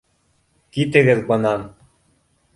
Китегеҙ бынан.